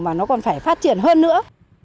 mà nó còn phải phát triển hơn nữa